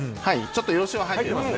ちょっと洋酒が入ってます。